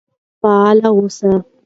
فعال اوسئ.